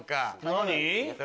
何？